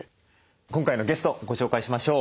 今回のゲストをご紹介しましょう。